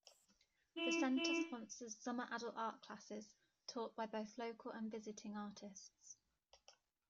The center sponsors summer adult art classes taught by both local and visiting artists.